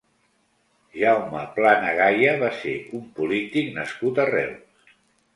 Jaume Plana Gaya va ser un polític nascut a Reus.